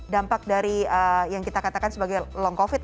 dampak dari yang kita katakan sebagai long covid